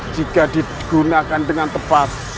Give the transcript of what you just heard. jika digunakan dengan tepat